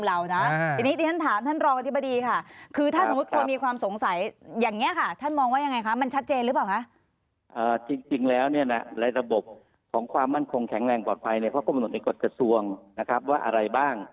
อันนี้ในมุมเรานะอันนี้ท่านถามท่านรองกฎิบดีค่ะ